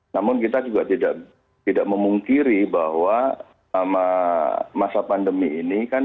namun kita juga tidak memungkiri bahwa selama masa pandemi ini kan